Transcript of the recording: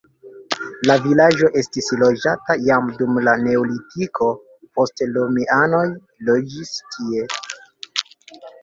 La vilaĝo estis loĝata jam dum la neolitiko, poste romianoj loĝis tie.